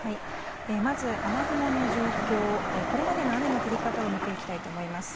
まず、雨雲の状況、これまでの雨の降り方を見ていきたいと思います。